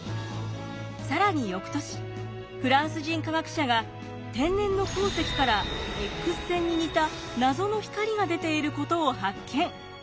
更に翌年フランス人科学者が天然の鉱石からＸ線に似た謎の光が出ていることを発見。